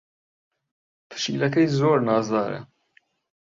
پشیلەکەی زۆر نازدارە.